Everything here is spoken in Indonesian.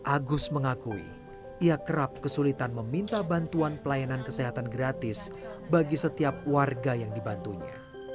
agus mengakui ia kerap kesulitan meminta bantuan pelayanan kesehatan gratis bagi setiap warga yang dibantunya